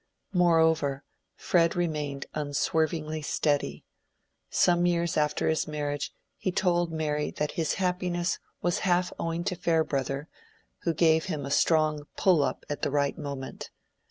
Moreover, Fred remained unswervingly steady. Some years after his marriage he told Mary that his happiness was half owing to Farebrother, who gave him a strong pull up at the right moment.